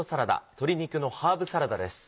「鶏肉のハーブサラダ」です。